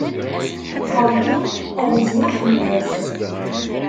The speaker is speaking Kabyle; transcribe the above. Werǧin rzin fell-as.